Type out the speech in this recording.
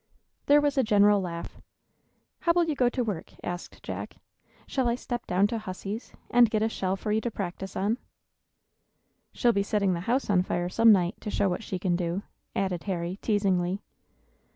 There was a general laugh. "How will you go to work?" asked Jack. "Shall I step down to Hussey's, and get a shell for you to practise on?" "She'll be setting the house on fire some night, to show what she can do," added Harry, teasingly.